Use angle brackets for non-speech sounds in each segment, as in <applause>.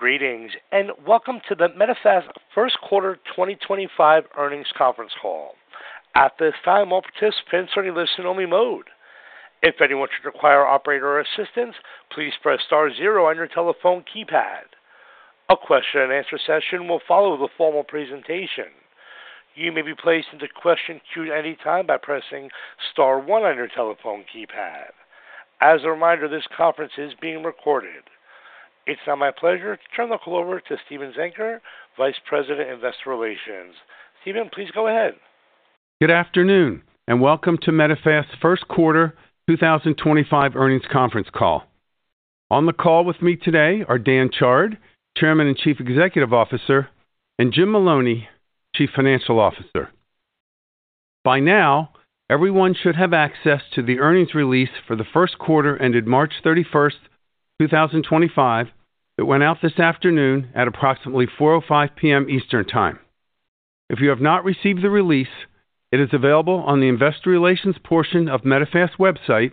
Greetings, and welcome to the Medifast First Quarter 2025 Earnings Conference Call. At this time, all participants are in listen-only mode. If anyone should require operator assistance, please press star zero on your telephone keypad. A question-and-answer session will follow the formal presentation. You may be placed into question queue at any time by pressing star one on your telephone keypad. As a reminder, this conference is being recorded. It's now my pleasure to turn the call over to Steven Zenker, Vice President, Investor Relations. Steven, please go ahead. Good afternoon, and welcome to Medifast First Quarter 2025 Earnings Conference Call. On the call with me today are Dan Chard, Chairman and Chief Executive Officer, and Jim Maloney, Chief Financial Officer. By now, everyone should have access to the earnings release for the first quarter ended March 31st, 2025. It went out this afternoon at approximately 4:05 P.M. Eastern Time. If you have not received the release, it is available on the Investor Relations portion of Medifast website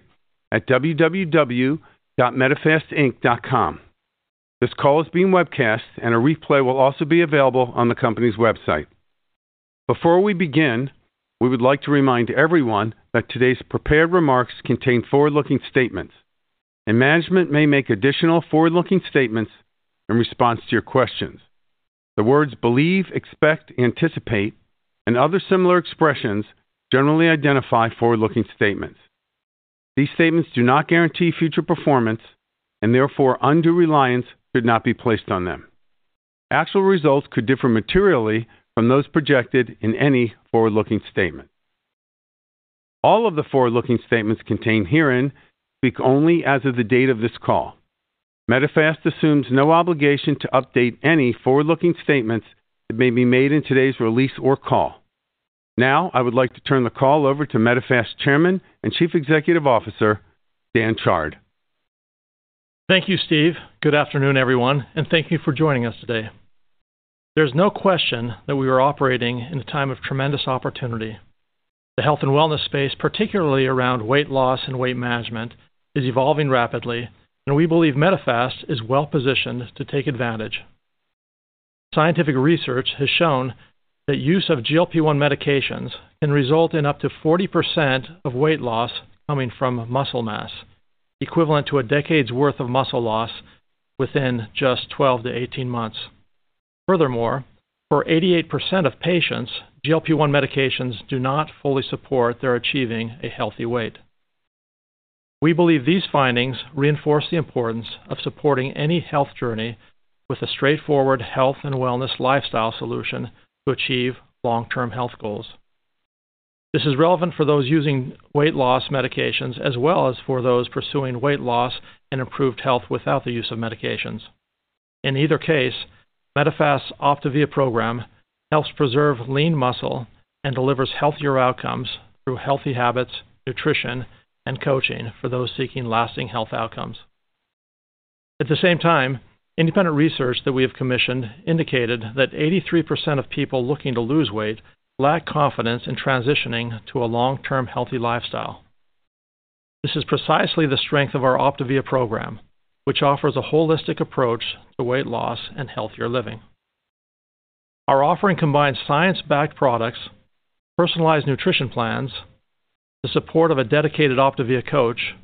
at www.medifastinc.com. This call is being webcast, and a replay will also be available on the company's website. Before we begin, we would like to remind everyone that today's prepared remarks contain forward-looking statements, and management may make additional forward-looking statements in response to your questions. The words believe, expect, anticipate, and other similar expressions generally identify forward-looking statements. These statements do not guarantee future performance, and therefore, undue reliance should not be placed on them. Actual results could differ materially from those projected in any forward-looking statement. All of the forward-looking statements contained herein speak only as of the date of this call. Medifast assumes no obligation to update any forward-looking statements that may be made in today's release or call. Now, I would like to turn the call over to Medifast Chairman and Chief Executive Officer, Dan Chard. Thank you, Steve. Good afternoon, everyone, and thank you for joining us today. There's no question that we are operating in a time of tremendous opportunity. The health and wellness space, particularly around weight loss and weight management, is evolving rapidly, and we believe Medifast is well-positioned to take advantage. Scientific research has shown that use of GLP-1 medications can result in up to 40% of weight loss coming from muscle mass, equivalent to a decade's worth of muscle loss within just 12 months to 18 months. Furthermore, for 88% of patients, GLP-1 medications do not fully support their achieving a healthy weight. We believe these findings reinforce the importance of supporting any health journey with a straightforward health and wellness lifestyle solution to achieve long-term health goals. This is relevant for those using weight loss medications as well as for those pursuing weight loss and improved health without the use of medications. In either case, Medifast's Optavia program helps preserve lean muscle and delivers healthier outcomes through healthy habits, nutrition, and coaching for those seeking lasting health outcomes. At the same time, independent research that we have commissioned indicated that 83% of people looking to lose weight lack confidence in transitioning to a long-term healthy lifestyle. This is precisely the strength of our Optavia program, which offers a holistic approach to weight loss and healthier living. Our offering combines science-backed products, personalized nutrition plans, the support of a dedicated Optavia coach,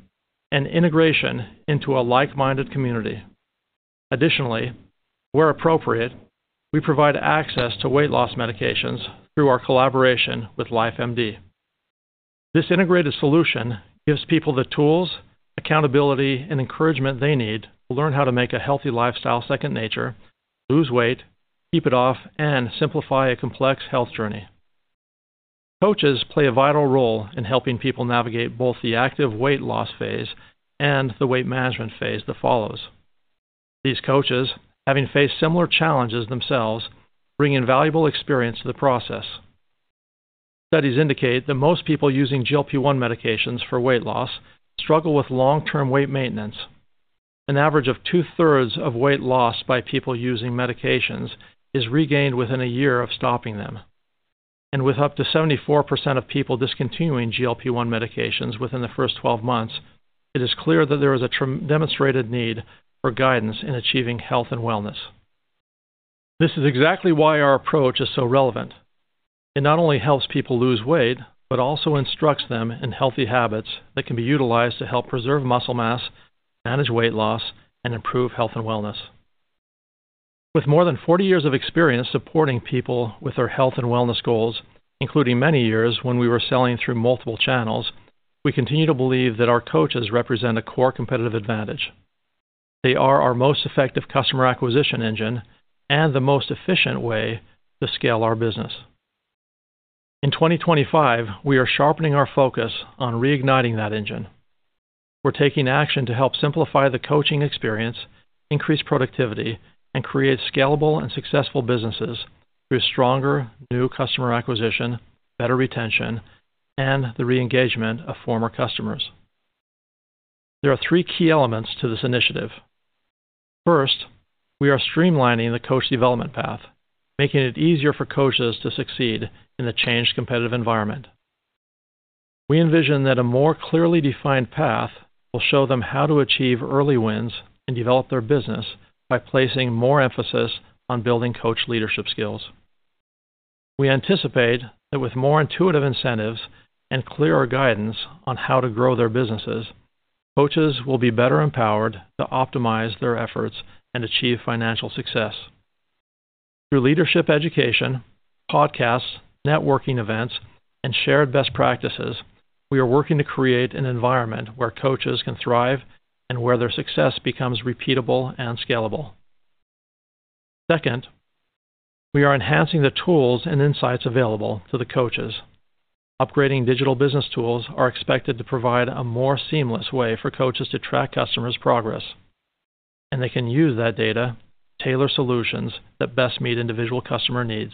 and integration into a like-minded community. Additionally, where appropriate, we provide access to weight loss medications through our collaboration with LifeMD. This integrated solution gives people the tools, accountability, and encouragement they need to learn how to make a healthy lifestyle second nature, lose weight, keep it off, and simplify a complex health journey. Coaches play a vital role in helping people navigate both the active weight loss phase and the weight management phase that follows. These coaches, having faced similar challenges themselves, bring invaluable experience to the process. Studies indicate that most people using GLP-1 medications for weight loss struggle with long-term weight maintenance. An average of two-thirds of weight loss by people using medications is regained within a year of stopping them. With up to 74% of people discontinuing GLP-1 medications within the first 12 months, it is clear that there is a demonstrated need for guidance in achieving health and wellness. This is exactly why our approach is so relevant. It not only helps people lose weight, but also instructs them in healthy habits that can be utilized to help preserve muscle mass, manage weight loss, and improve health and wellness. With more than 40 years of experience supporting people with their health and wellness goals, including many years when we were selling through multiple channels, we continue to believe that our coaches represent a core competitive advantage. They are our most effective customer acquisition engine and the most efficient way to scale our business. In 2025, we are sharpening our focus on reigniting that engine. We're taking action to help simplify the coaching experience, increase productivity, and create scalable and successful businesses through stronger new customer acquisition, better retention, and the re-engagement of former customers. There are three key elements to this initiative. First, we are streamlining the coach development path, making it easier for coaches to succeed in the changed competitive environment. We envision that a more clearly defined path will show them how to achieve early wins and develop their business by placing more emphasis on building coach leadership skills. We anticipate that with more intuitive incentives and clearer guidance on how to grow their businesses, coaches will be better empowered to optimize their efforts and achieve financial success. Through leadership education, podcasts, networking events, and shared best practices, we are working to create an environment where coaches can thrive and where their success becomes repeatable and scalable. Second, we are enhancing the tools and insights available to the coaches. Upgrading digital business tools are expected to provide a more seamless way for coaches to track customers' progress, and they can use that data to tailor solutions that best meet individual customer needs.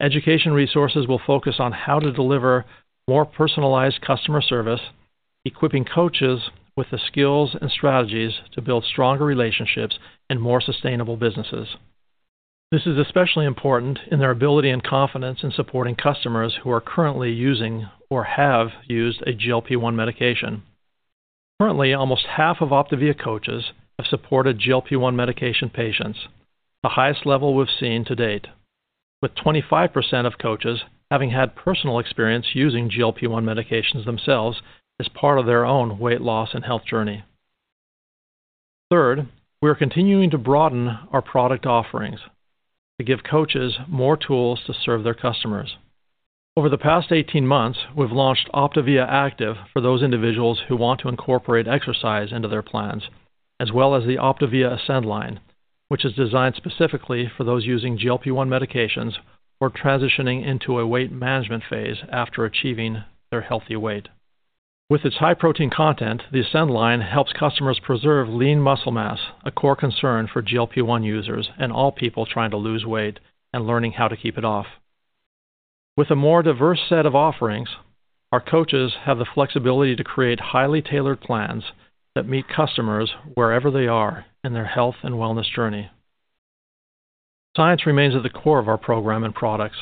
Education resources will focus on how to deliver more personalized customer service, equipping coaches with the skills and strategies to build stronger relationships and more sustainable businesses. This is especially important in their ability and confidence in supporting customers who are currently using or have used a GLP-1 medication. Currently, almost half of Optavia coaches have supported GLP-1 medication patients, the highest level we've seen to date, with 25% of coaches having had personal experience using GLP-1 medications themselves as part of their own weight loss and health journey. Third, we are continuing to broaden our product offerings to give coaches more tools to serve their customers. Over the past 18 months, we've launched OPTAVIA ACTIVE for those individuals who want to incorporate exercise into their plans, as well as the OPTAVIA ASCEND line, which is designed specifically for those using GLP-1 medications or transitioning into a weight management phase after achieving their healthy weight. With its high protein content, the ASCEND line helps customers preserve lean muscle mass, a core concern for GLP-1 users and all people trying to lose weight and learning how to keep it off. With a more diverse set of offerings, our coaches have the flexibility to create highly tailored plans that meet customers wherever they are in their health and wellness journey. Science remains at the core of our program and products.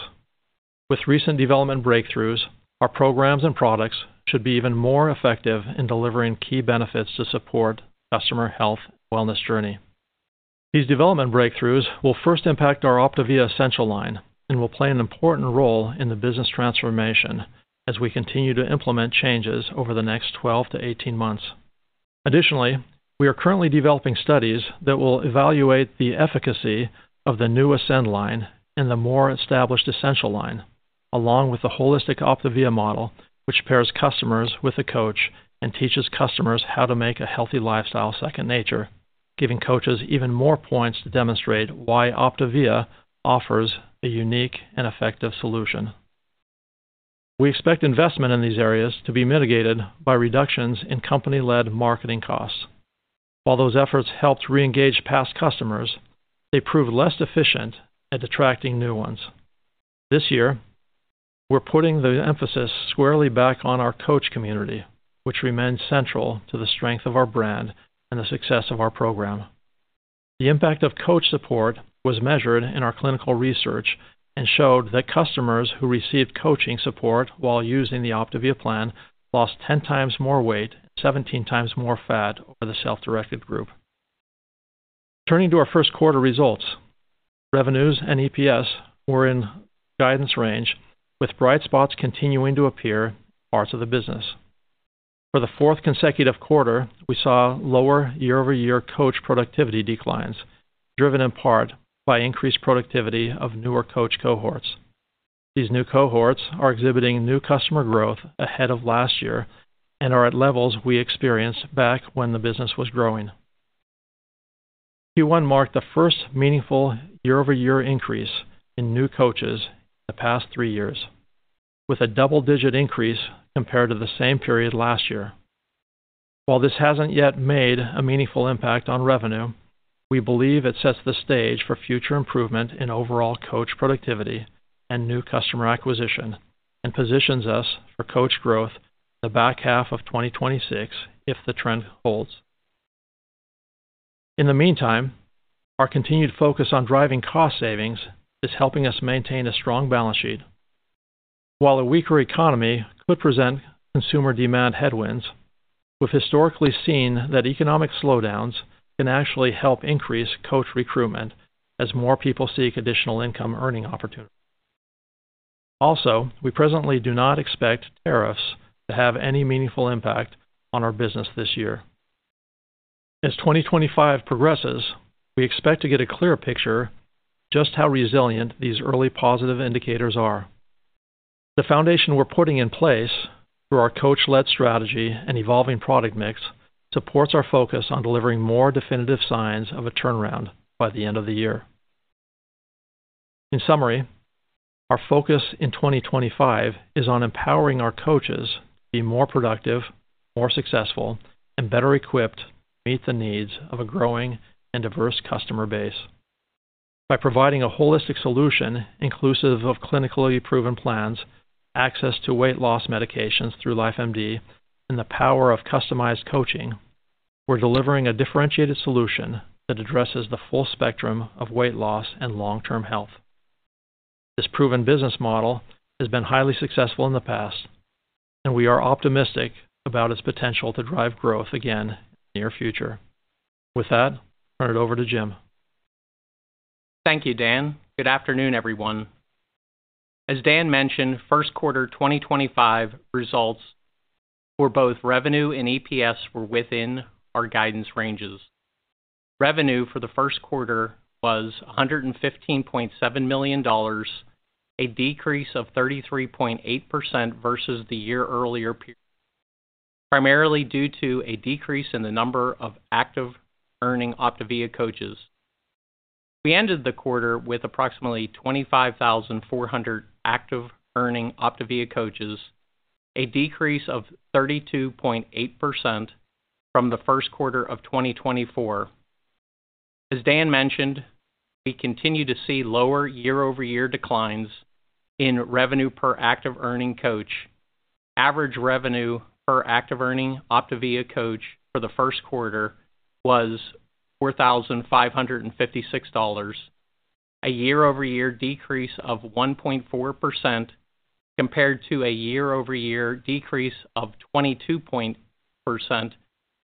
With recent development breakthroughs, our programs and products should be even more effective in delivering key benefits to support customer health and wellness journey. These development breakthroughs will first impact our OPTAVIA Essential line and will play an important role in the business transformation as we continue to implement changes over the next 12 months to 18 months. Additionally, we are currently developing studies that will evaluate the efficacy of the new OPTAVIA ASCEND line and the more established Essential line, along with the holistic OPTAVIA model, which pairs customers with a coach and teaches customers how to make a healthy lifestyle second nature, giving coaches even more points to demonstrate why OPTAVIA offers a unique and effective solution. We expect investment in these areas to be mitigated by reductions in company-led marketing costs. While those efforts helped reengage past customers, they proved less efficient at attracting new ones. This year, we're putting the emphasis squarely back on our coach community, which remains central to the strength of our brand and the success of our program. The impact of coach support was measured in our clinical research and showed that customers who received coaching support while using the OPTAVIA plan lost 10x more weight and 17x more fat over the self-directed group. Turning to our first quarter results, revenues and EPS were in guidance range, with bright spots continuing to appear in parts of the business. For the fourth consecutive quarter, we saw lower year-over-year coach productivity declines, driven in part by increased productivity of newer coach cohorts. These new cohorts are exhibiting new customer growth ahead of last year and are at levels we experienced back when the business was growing. GLP-1 marked the first meaningful year-over-year increase in new coaches in the past three years, with a double-digit increase compared to the same period last year. While this hasn't yet made a meaningful impact on revenue, we believe it sets the stage for future improvement in overall coach productivity and new customer acquisition and positions us for coach growth in the back half of 2026 if the trend holds. In the meantime, our continued focus on driving cost savings is helping us maintain a strong balance sheet. While a weaker economy could present consumer demand headwinds, we've historically seen that economic slowdowns can actually help increase coach recruitment as more people seek additional income earning opportunities. Also, we presently do not expect tariffs to have any meaningful impact on our business this year. As 2025 progresses, we expect to get a clear picture of just how resilient these early positive indicators are. The foundation we're putting in place through our coach-led strategy and evolving product mix supports our focus on delivering more definitive signs of a turnaround by the end of the year. In summary, our focus in 2025 is on empowering our coaches to be more productive, more successful, and better equipped to meet the needs of a growing and diverse customer base. By providing a holistic solution inclusive of clinically proven plans, access to weight loss medications through LifeMD, and the power of customized coaching, we're delivering a differentiated solution that addresses the full spectrum of weight loss and long-term health. This proven business model has been highly successful in the past, and we are optimistic about its potential to drive growth again in the near future. With that, I'll turn it over to Jim. Thank you, Dan. Good afternoon, everyone. As Dan mentioned, first quarter 2025 results for both revenue and EPS were within our guidance ranges. Revenue for the first quarter was $115.7 million, a decrease of 33.8% versus the year earlier, primarily due to a decrease in the number of active earning Optavia coaches. We ended the quarter with approximately 25,400 active earning Optavia coaches, a decrease of 32.8% from the first quarter of 2024. As Dan mentioned, we continue to see lower year-over-year declines in revenue per active earning coach. Average revenue per active earning Optavia coach for the first quarter was $4,556, a year-over-year decrease of 1.4% compared to a year-over-year decrease of 22.8%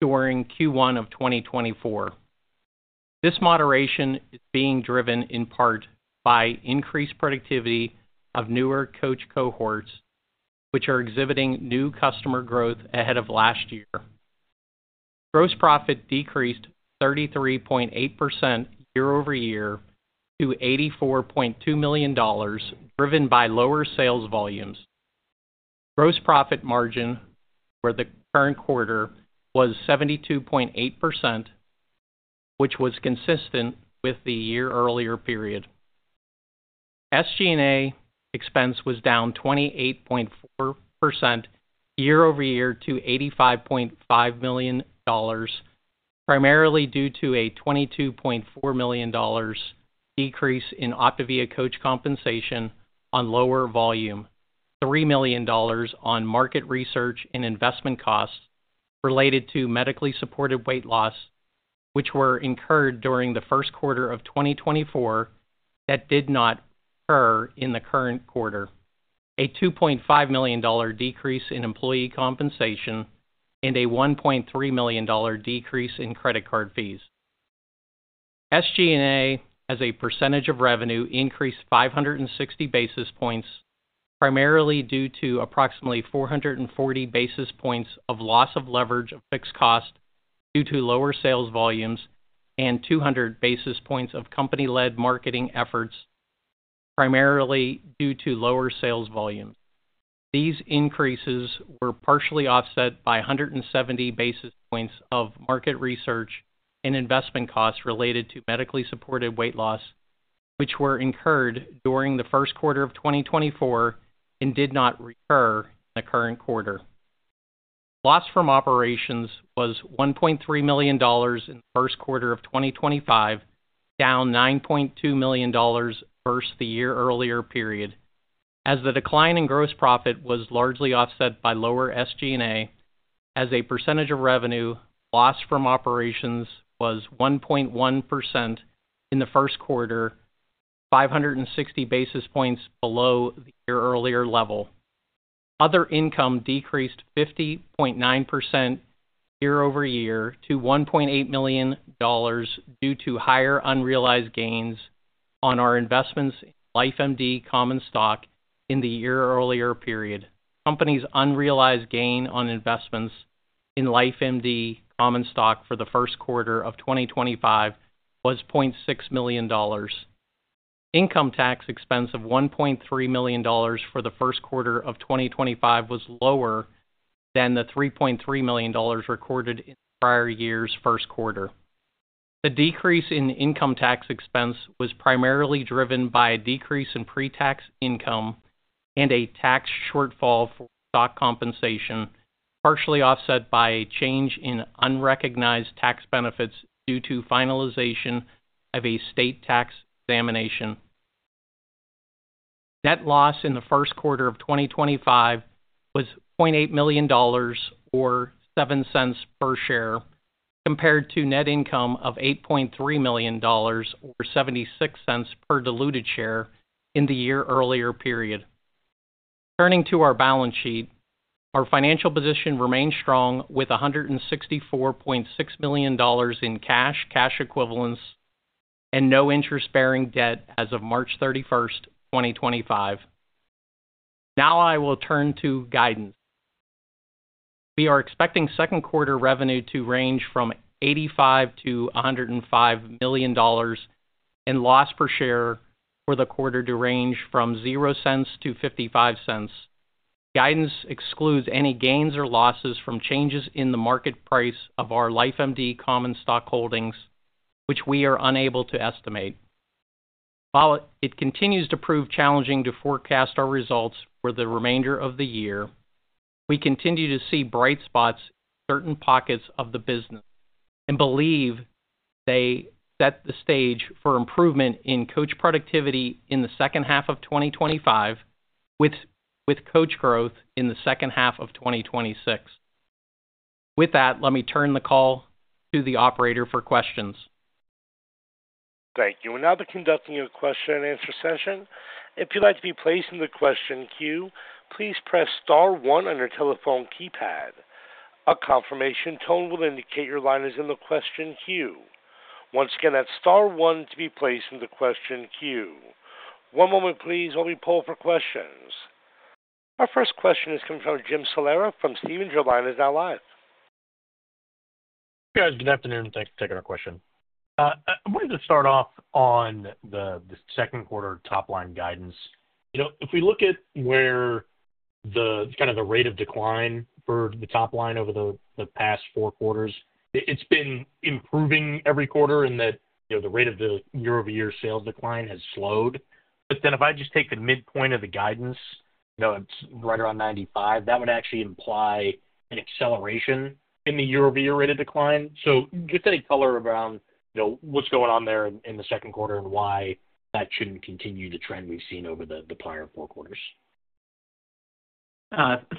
during Q1 of 2024. This moderation is being driven in part by increased productivity of newer coach cohorts, which are exhibiting new customer growth ahead of last year. Gross profit decreased 33.8% year-over-year to $84.2 million, driven by lower sales volumes. Gross profit margin for the current quarter was 72.8%, which was consistent with the year-earlier period. SG&A expense was down 28.4% year-over-year to $85.5 million, primarily due to a $22.4 million decrease in OPTAVIA coach compensation on lower volume, $3 million on market research and investment costs related to medically supported weight loss, which were incurred during the first quarter of 2024 that did not occur in the current quarter, a $2.5 million decrease in employee compensation, and a $1.3 million decrease in credit card fees. SG&A as a percentage of revenue increased 560 basis points, primarily due to approximately 440 basis points of loss of leverage of fixed cost due to lower sales volumes and 200 basis points of company-led marketing efforts, primarily due to lower sales volumes. These increases were partially offset by 170 basis points of market research and investment costs related to medically supported weight loss, which were incurred during the first quarter of 2024 and did not recur in the current quarter. Loss from operations was $1.3 million in the first quarter of 2025, down $9.2 million versus the year-earlier period, as the decline in gross profit was largely offset by lower SG&A. As a percentage of revenue, loss from operations was 1.1% in the first quarter, 560 basis points below the year-earlier level. Other income decreased 50.9% year-over-year to $1.8 million due to higher unrealized gains on our investments in LifeMD Common Stock in the year-earlier period. Company's unrealized gain on investments in LifeMD Common Stock for the first quarter of 2025 was $0.6 million. Income tax expense of $1.3 million for the first quarter of 2025 was lower than the $3.3 million recorded in prior year's first quarter. The decrease in income tax expense was primarily driven by a decrease in pre-tax income and a tax shortfall for stock compensation, partially offset by a change in unrecognized tax benefits due to finalization of a state tax examination. Net loss in the first quarter of 2025 was $0.8 million, or $0.07 per share, compared to net income of $8.3 million, or $0.76 per diluted share in the year-earlier period. Turning to our balance sheet, our financial position remains strong with $164.6 million in cash and cash equivalents and no interest-bearing debt as of March 31st, 2025. Now I will turn to guidance. We are expecting second quarter revenue to range from $85 million-$105 million and loss per share for the quarter to range from $0-$0.55. Guidance excludes any gains or losses from changes in the market price of our LifeMD Common Stock holdings, which we are unable to estimate. While it continues to prove challenging to forecast our results for the remainder of the year, we continue to see bright spots in certain pockets of the business and believe they set the stage for improvement in coach productivity in the second half of 2025 with coach growth in the second half of 2026. With that, let me turn the call to the operator for questions. Thank you. Now the conducting of the question and answer session. If you'd like to be placed in the question queue, please press star one on your telephone keypad. A confirmation tone will indicate your line is in the question queue. Once again, that's star one to be placed in the question queue. One moment, please, while we pull up our questions. Our first question is coming from Jim Salera from Stephens is now live. Hey, guys. Good afternoon. Thanks for taking our question. I wanted to start off on the second quarter top-line guidance. If we look at where the kind of the rate of decline for the top line over the past four quarters, it's been improving every quarter in that the rate of the year-over-year sales decline has slowed. If I just take the midpoint of the guidance, it's right around 95, that would actually imply an acceleration in the year-over-year rate of decline. Just any color around what's going on there in the second quarter and why that shouldn't continue the trend we've seen over the prior four quarters.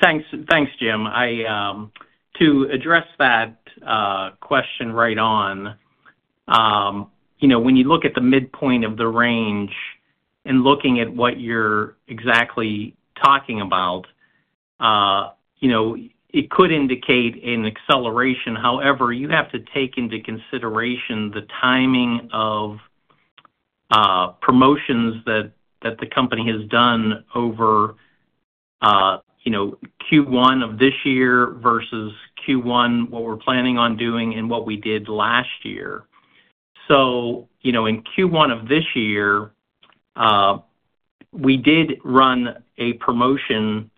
Thanks, Jim. To address that question right on, when you look at the midpoint of the range and looking at what you're exactly talking about, it could indicate an acceleration. However, you have to take into consideration the timing of promotions that the company has done over Q1 of this year versus Q1, what we're planning on doing, and what we did last year. In Q1 of this year, we did run a promotion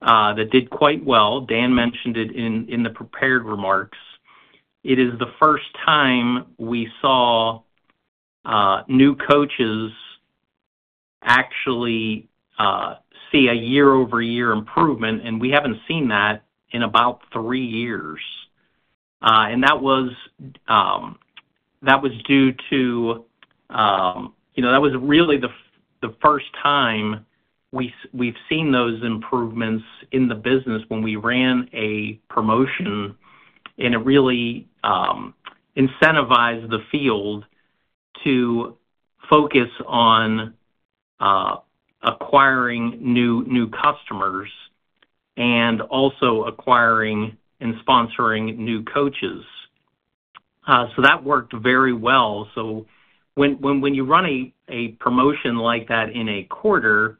that did quite well. Dan mentioned it in the prepared remarks. It is the first time we saw new coaches actually see a year-over-year improvement, and we haven't seen that in about three years. That was really the first time we've seen those improvements in the business when we ran a promotion, and it really incentivized the field to focus on acquiring new customers and also acquiring and sponsoring new coaches. That worked very well. When you run a promotion like that in a quarter,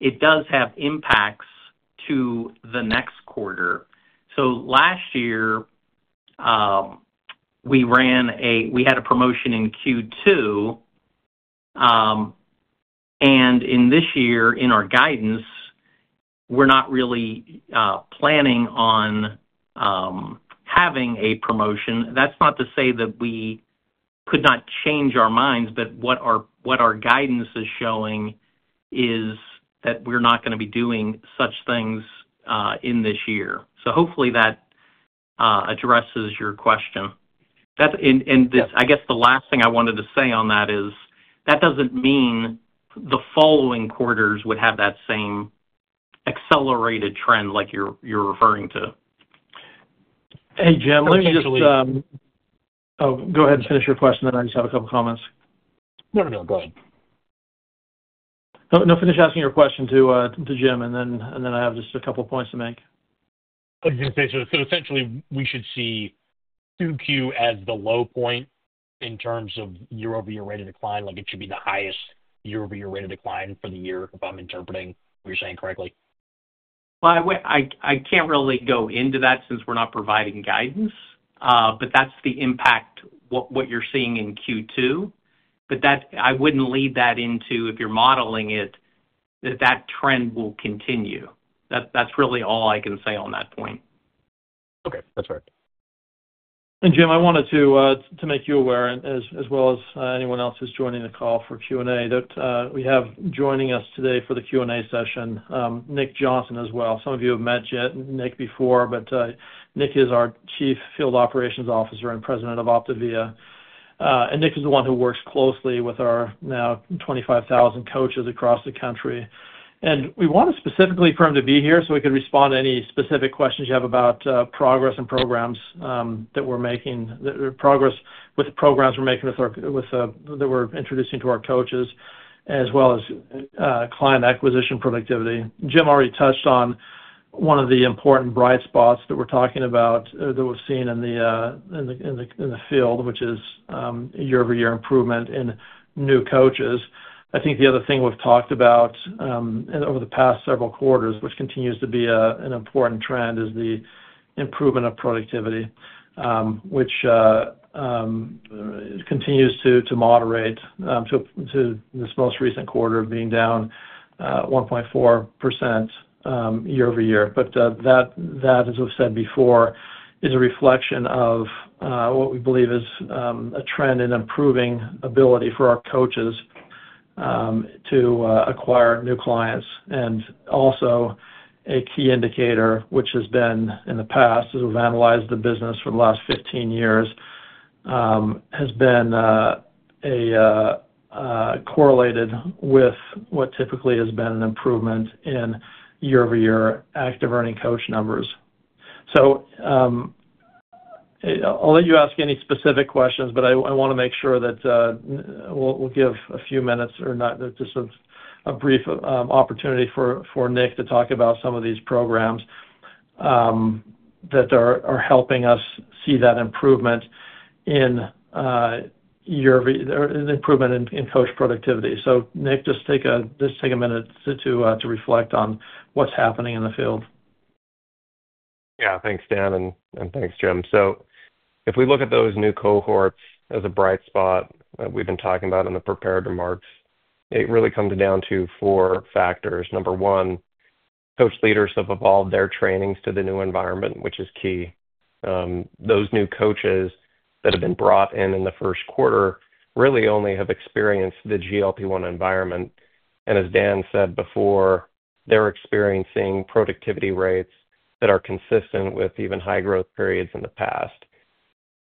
it does have impacts to the next quarter. Last year, we had a promotion in Q2. In this year, in our guidance, we're not really planning on having a promotion. That's not to say that we could not change our minds, but what our guidance is showing is that we're not going to be doing such things in this year. Hopefully that addresses your question. I guess the last thing I wanted to say on that is that doesn't mean the following quarters would have that same accelerated trend like you're referring to. Hey, Jim. Let me just. <crosstalk> Oh, go ahead and finish your question. I just have a couple of comments. No, no. Go ahead. No, finish asking your question to Jim, and then I have just a couple of points to make. Essentially, we should see Q2 as the low point in terms of year-over-year rate of decline. It should be the highest year-over-year rate of decline for the year, if I'm interpreting what you're saying correctly. I can't really go into that since we're not providing guidance, but that's the impact what you're seeing in Q2. I wouldn't lead that into if you're modeling it, that that trend will continue. That's really all I can say on that point. Okay. That's correct. Jim, I wanted to make you aware, as well as anyone else who's joining the call for Q&A, that we have joining us today for the Q&A session, Nick Johnson as well. Some of you have met Nick before, but Nick is our Chief Field Operations Officer and President of Optavia. Nick is the one who works closely with our now 25,000 coaches across the country. We wanted specifically for him to be here so we could respond to any specific questions you have about progress and programs that we're making with programs we're making that we're introducing to our coaches, as well as client acquisition productivity. Jim already touched on one of the important bright spots that we're talking about that we've seen in the field, which is year-over-year improvement in new coaches. I think the other thing we've talked about over the past several quarters, which continues to be an important trend, is the improvement of productivity, which continues to moderate to this most recent quarter of being down 1.4% year-over-year. That, as we've said before, is a reflection of what we believe is a trend in improving ability for our coaches to acquire new clients. Also, a key indicator, which has been in the past, as we've analyzed the business for the last 15 years, has been correlated with what typically has been an improvement in year-over-year active earning coach numbers. I'll let you ask any specific questions, but I want to make sure that we'll give a few minutes or just a brief opportunity for Nick to talk about some of these programs that are helping us see that improvement in coach productivity. Nick, just take a minute to reflect on what's happening in the field. Yeah. Thanks, Dan, and thanks, Jim. If we look at those new cohorts as a bright spot that we've been talking about in the prepared remarks, it really comes down to four factors. Number one, coach leaders have evolved their trainings to the new environment, which is key. Those new coaches that have been brought in in the first quarter really only have experienced the GLP-1 environment. As Dan said before, they're experiencing productivity rates that are consistent with even high growth periods in the past.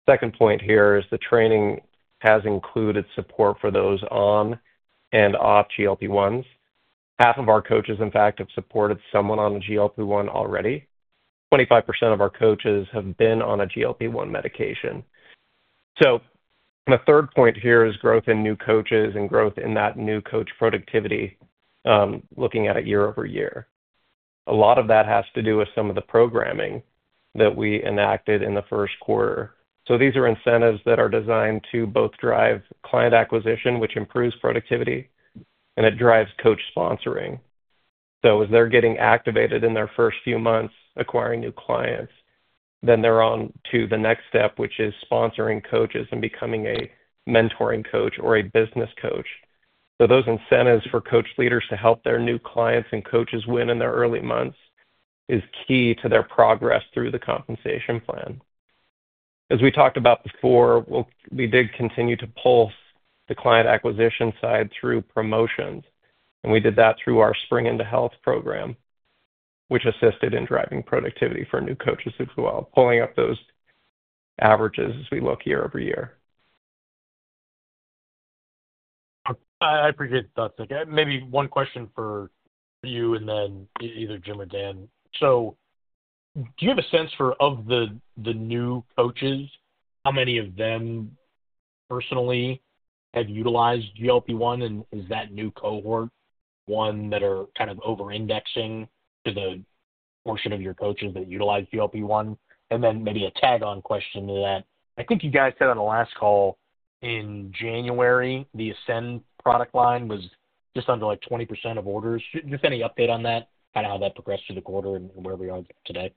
The second point here is the training has included support for those on and off GLP-1s. Half of our coaches, in fact, have supported someone on a GLP-1 already. 25% of our coaches have been on a GLP-1 medication. The third point here is growth in new coaches and growth in that new coach productivity looking at it year-over-year. A lot of that has to do with some of the programming that we enacted in the first quarter. These are incentives that are designed to both drive client acquisition, which improves productivity, and it drives coach sponsoring. As they are getting activated in their first few months acquiring new clients, they are on to the next step, which is sponsoring coaches and becoming a mentoring coach or a business coach. Those incentives for coach leaders to help their new clients and coaches win in their early months is key to their progress through the compensation plan. As we talked about before, we did continue to pull the client acquisition side through promotions, and we did that through our Spring into Health program, which assisted in driving productivity for new coaches as well. Pulling up those averages as we look year-over-year. I appreciate the thoughts. Maybe one question for you and then either Jim or Dan. Do you have a sense for, of the new coaches, how many of them personally have utilized GLP-1, and is that new cohort one that are kind of over-indexing to the portion of your coaches that utilize GLP-1? Maybe a tag-on question to that. I think you guys said on the last call in January, the Ascend product line was just under 20% of orders. Any update on that, kind of how that progressed through the quarter and where we are today?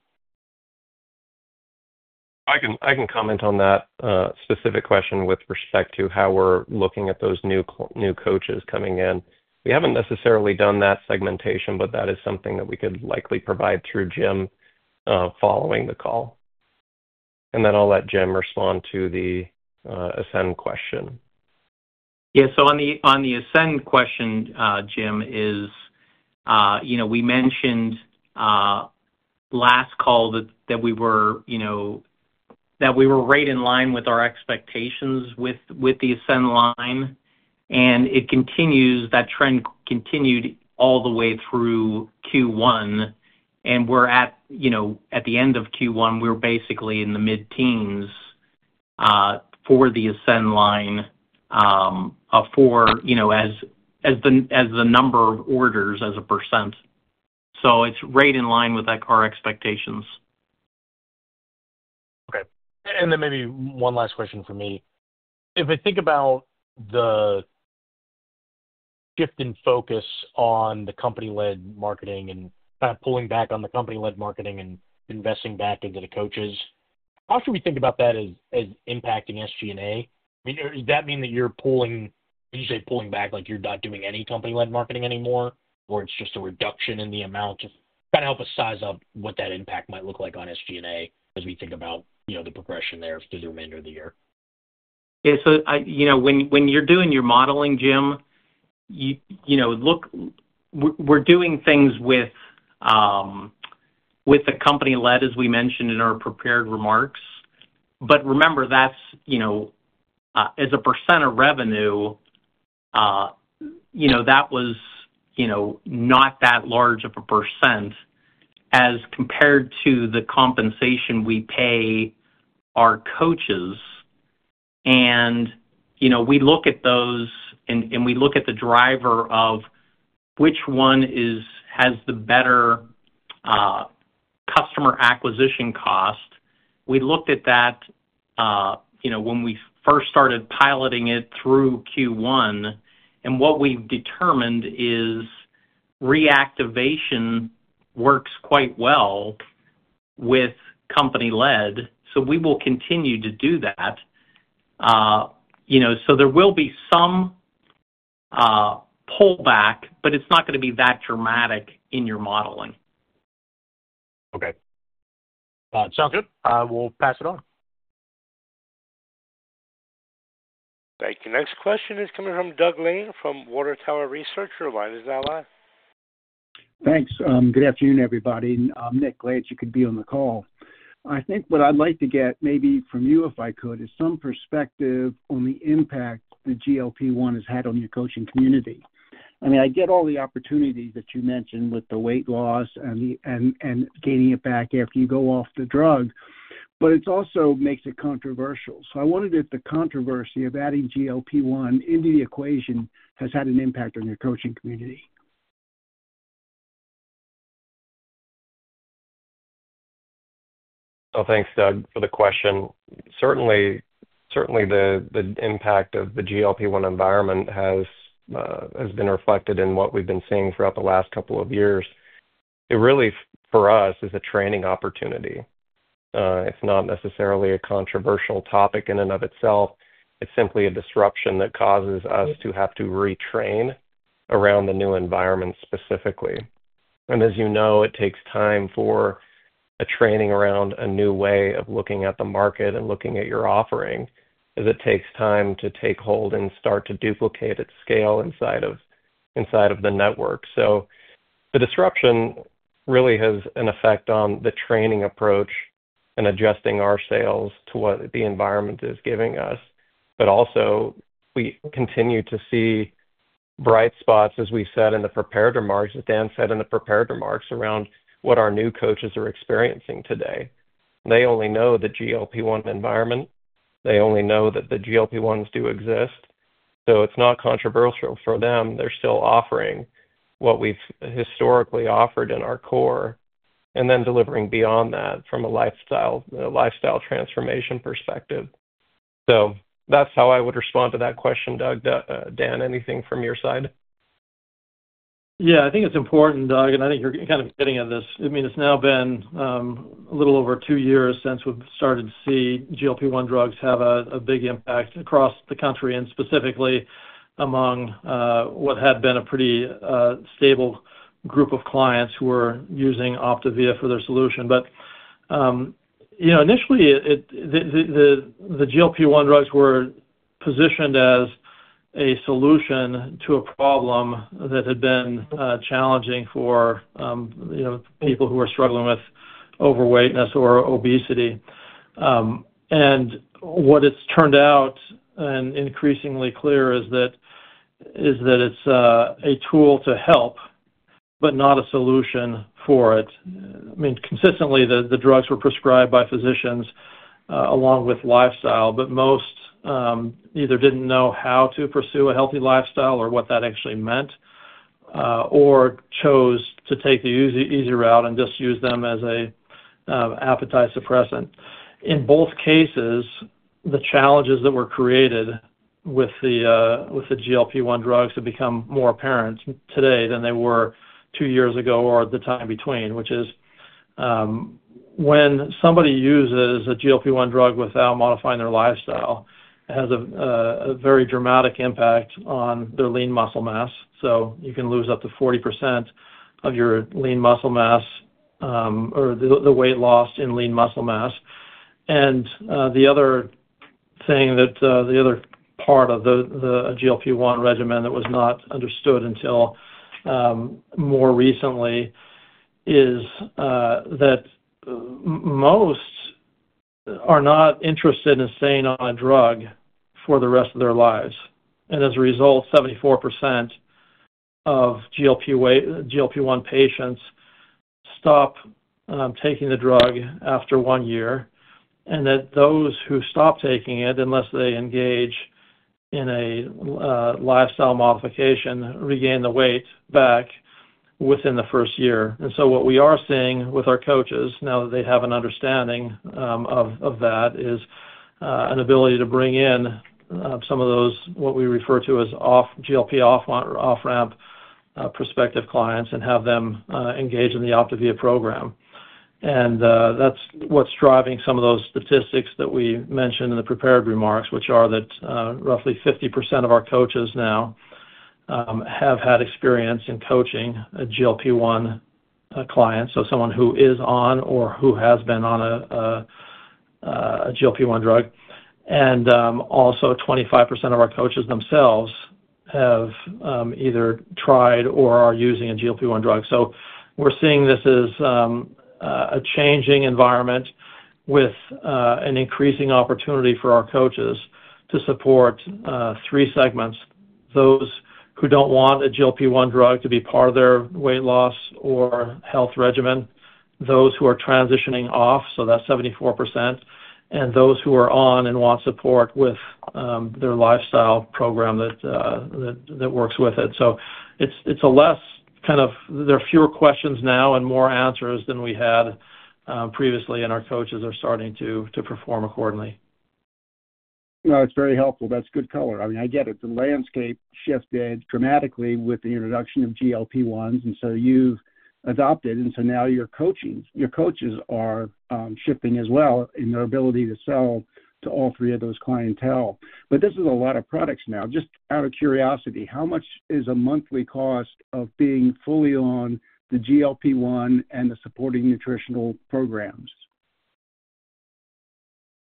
I can comment on that specific question with respect to how we're looking at those new coaches coming in. We haven't necessarily done that segmentation, but that is something that we could likely provide through Jim following the call. I will let Jim respond to the Ascend question. Yeah. On the Ascend question, Jim, as we mentioned last call, we were right in line with our expectations with the Ascend line, and it continues. That trend continued all the way through Q1. At the end of Q1, we're basically in the mid-teens for the Ascend line as the number of orders as a percent. So it's right in line with our expectations. Okay. Maybe one last question for me. If I think about the shift in focus on the company-led marketing and kind of pulling back on the company-led marketing and investing back into the coaches, how should we think about that as impacting SG&A? I mean, does that mean that you're pulling, as you say, pulling back like you're not doing any company-led marketing anymore, or it's just a reduction in the amount? Just kind of help us size up what that impact might look like on SG&A as we think about the progression there through the remainder of the year. Yeah. When you're doing your modeling, Jim, look, we're doing things with the company-led, as we mentioned in our prepared remarks. Remember, that's as a percent of revenue, that was not that large of a percent as compared to the compensation we pay our coaches. We look at those, and we look at the driver of which one has the better customer acquisition cost. We looked at that when we first started piloting it through Q1, and what we determined is reactivation works quite well with company-led. We will continue to do that. There will be some pullback, but it's not going to be that dramatic in your modeling. Okay. Sounds good. We'll pass it on. Thank you. Next question is coming from Doug Lane from Water Tower Research. Your line is now live. Thanks. Good afternoon, everybody. Nick, glad you could be on the call. I think what I'd like to get maybe from you, if I could, is some perspective on the impact the GLP-1 has had on your coaching community. I mean, I get all the opportunities that you mentioned with the weight loss and gaining it back after you go off the drug, but it also makes it controversial. I wondered if the controversy of adding GLP-1 into the equation has had an impact on your coaching community. Oh, thanks, Doug, for the question. Certainly, the impact of the GLP-1 environment has been reflected in what we've been seeing throughout the last couple of years. It really, for us, is a training opportunity. It's not necessarily a controversial topic in and of itself. It's simply a disruption that causes us to have to retrain around the new environment specifically. As you know, it takes time for a training around a new way of looking at the market and looking at your offering as it takes time to take hold and start to duplicate at scale inside of the network. The disruption really has an effect on the training approach and adjusting our sales to what the environment is giving us. We continue to see bright spots, as we said in the prepared remarks, as Dan said in the prepared remarks around what our new coaches are experiencing today. They only know the GLP-1 environment. They only know that the GLP-1s do exist. It is not controversial for them. They are still offering what we have historically offered in our core and then delivering beyond that from a lifestyle transformation perspective. That is how I would respond to that question, Doug. Dan, anything from your side? Yeah. I think it's important, Doug, and I think you're kind of getting at this. I mean, it's now been a little over two years since we've started to see GLP-1 drugs have a big impact across the country and specifically among what had been a pretty stable group of clients who were using Optavia for their solution. Initially, the GLP-1 drugs were positioned as a solution to a problem that had been challenging for people who were struggling with overweightness or obesity. What it's turned out and increasingly clear is that it's a tool to help but not a solution for it. I mean, consistently, the drugs were prescribed by physicians along with lifestyle, but most either didn't know how to pursue a healthy lifestyle or what that actually meant or chose to take the easy route and just use them as an appetite suppressant. In both cases, the challenges that were created with the GLP-1 drugs have become more apparent today than they were two years ago or the time between, which is when somebody uses a GLP-1 drug without modifying their lifestyle, it has a very dramatic impact on their lean muscle mass. You can lose up to 40% of your lean muscle mass or the weight loss in lean muscle mass. The other thing that the other part of the GLP-1 regimen that was not understood until more recently is that most are not interested in staying on a drug for the rest of their lives. As a result, 74% of GLP-1 patients stop taking the drug after one year, and those who stop taking it, unless they engage in a lifestyle modification, regain the weight back within the first year. What we are seeing with our coaches now that they have an understanding of that is an ability to bring in some of those, what we refer to as GLP off-ramp prospective clients, and have them engage in the Optavia program. That's what's driving some of those statistics that we mentioned in the prepared remarks, which are that roughly 50% of our coaches now have had experience in coaching a GLP-1 client, so someone who is on or who has been on a GLP-1 drug. Also, 25% of our coaches themselves have either tried or are using a GLP-1 drug. We're seeing this as a changing environment with an increasing opportunity for our coaches to support three segments: those who do not want a GLP-1 drug to be part of their weight loss or health regimen, those who are transitioning off, so that's 74%, and those who are on and want support with their lifestyle program that works with it. It's a less kind of there are fewer questions now and more answers than we had previously, and our coaches are starting to perform accordingly. No, it's very helpful. That's good color. I mean, I get it. The landscape shifted dramatically with the introduction of GLP-1s, and so you've adopted, and so now your coaches are shifting as well in their ability to sell to all three of those clientele. This is a lot of products now. Just out of curiosity, how much is a monthly cost of being fully on the GLP-1 and the supporting nutritional programs?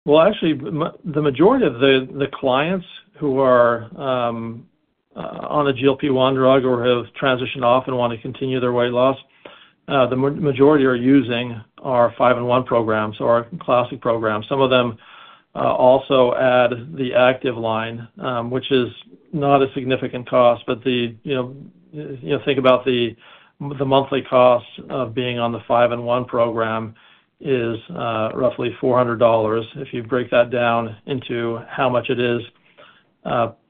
Actually, the majority of the clients who are on a GLP-1 drug or have transitioned off and want to continue their weight loss, the majority are using our 5&1 programs or our classic programs. Some of them also add the Active line, which is not a significant cost, but think about the monthly cost of being on the 5&1 program is roughly $400. If you break that down into how much it is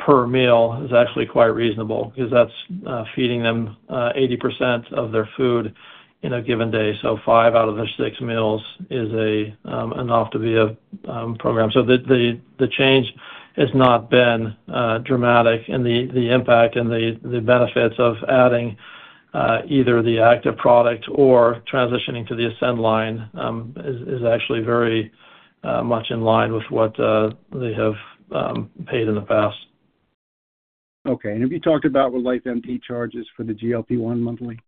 per meal, it's actually quite reasonable because that's feeding them 80% of their food in a given day. Five out of their six meals is an OPTAVIA program. The change has not been dramatic, and the impact and the benefits of adding either the Active product or transitioning to the Ascend line is actually very much in line with what they have paid in the past. Okay. Have you talked about what LifeMD charges for the GLP-1 monthly?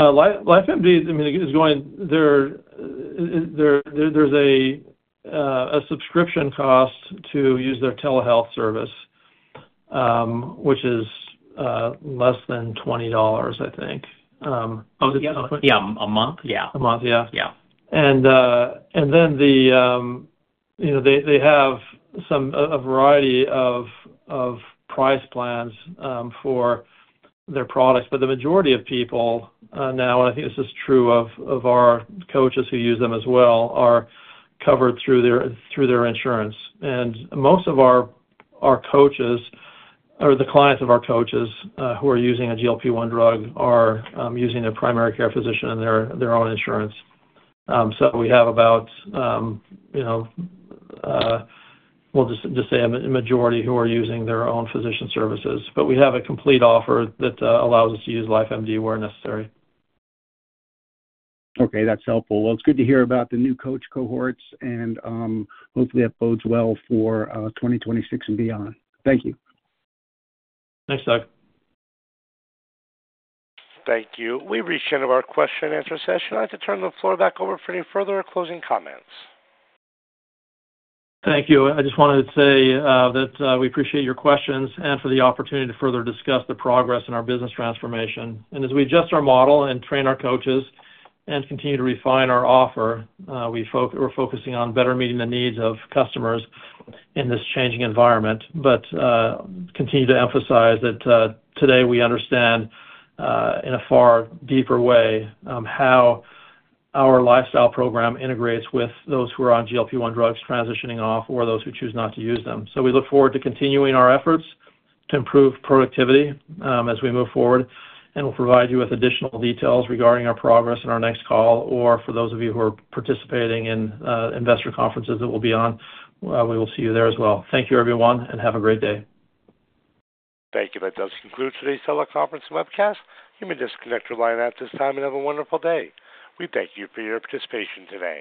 LifeMD, I mean, is going, there's a subscription cost to use their telehealth service, which is less than $20, I think. Oh, it's a month? <crosstalk> A month. Yeah. A month. Yeah. They have a variety of price plans for their products, but the majority of people now, and I think this is true of our coaches who use them as well, are covered through their insurance. Most of our coaches or the clients of our coaches who are using a GLP-1 drug are using their primary care physician and their own insurance. We have about, we'll just say, a majority who are using their own physician services. We have a complete offer that allows us to use LifeMD where necessary. Okay. That is helpful. It is good to hear about the new coach cohorts, and hopefully, that bodes well for 2026 and beyond. Thank you. Thanks, Doug. Thank you. We've reached the end of our question-and-answer session. I'd like to turn the floor back over for any further closing comments. Thank you. I just wanted to say that we appreciate your questions and for the opportunity to further discuss the progress in our business transformation. As we adjust our model and train our coaches and continue to refine our offer, we're focusing on better meeting the needs of customers in this changing environment. We continue to emphasize that today we understand in a far deeper way how our lifestyle program integrates with those who are on GLP-1 drugs transitioning off or those who choose not to use them. We look forward to continuing our efforts to improve productivity as we move forward, and we'll provide you with additional details regarding our progress in our next call. For those of you who are participating in investor conferences that we'll be on, we will see you there as well. Thank you, everyone, and have a great day. Thank you. That does conclude today's teleconference webcast. You may disconnect your line at this time and have a wonderful day. We thank you for your participation today.